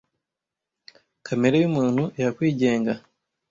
Kamere yumuntu yakwigenga